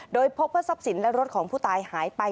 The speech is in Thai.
โดยพบว่าทรัพย์สินและรถของผู้ตายหายไป